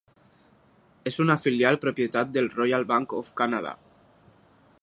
És una filial propietat del Royal Bank of Canada.